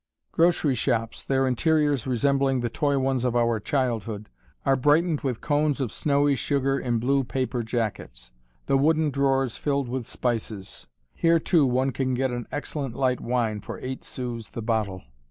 [Illustration: (women at news stand)] Grocery shops, their interiors resembling the toy ones of our childhood, are brightened with cones of snowy sugar in blue paper jackets. The wooden drawers filled with spices. Here, too, one can get an excellent light wine for eight sous the bottle.